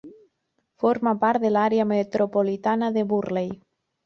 Forma part de l'àrea metropolitana de Burley.